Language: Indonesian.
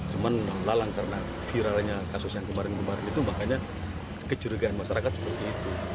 cuma lalang karena viralnya kasus yang kemarin kemarin itu makanya kecurigaan masyarakat seperti itu